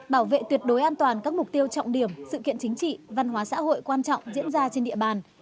bảo vệ tuyệt đối an toàn các mục tiêu trọng điểm sự kiện chính trị văn hóa xã hội quan trọng diễn ra trên địa bàn